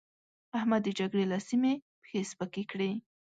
احمد د جګړې له سيمې پښې سپکې کړې.